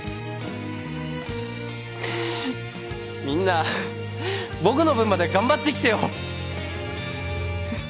みんな僕の分まで頑張ってきてよ。